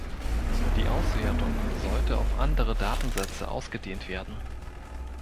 Die Auswertung sollte auf andere Datensätze ausgedehnt werden.